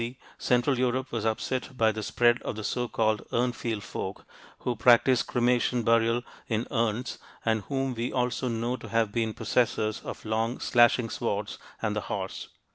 C. central Europe was upset by the spread of the so called Urnfield folk, who practiced cremation burial in urns and whom we also know to have been possessors of long, slashing swords and the horse.